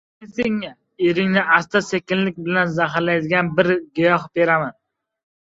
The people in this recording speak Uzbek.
Men senga eringni asta-sekinlik bilan zaharlaydigan bir giyoh beraman.